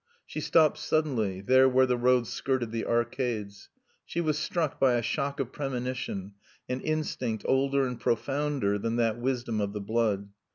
She stopped suddenly, there where the road skirted the arcades. She was struck by a shock of premonition, an instinct older and profounder than that wisdom of the blood.